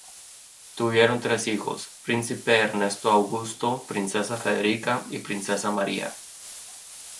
Tuvieron tres hijos: príncipe Ernesto Augusto, princesa Federica, y princesa María.